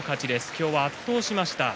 今日は圧倒しました。